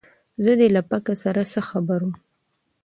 زه دې له پکه سره څه خبره ومه